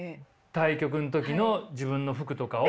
対局の時の自分の服とかを。